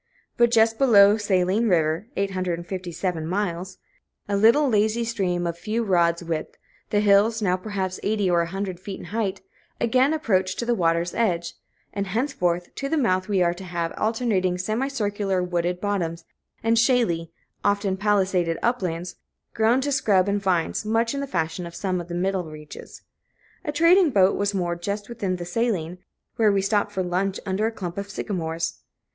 But just below Saline River (857 miles), a lazy little stream of a few rods' width, the hills, now perhaps eighty or a hundred feet in height, again approach to the water's edge; and henceforth to the mouth we are to have alternating semi circular, wooded bottoms and shaly, often palisaded uplands, grown to scrub and vines much in the fashion of some of the middle reaches. A trading boat was moored just within the Saline, where we stopped for lunch under a clump of sycamores.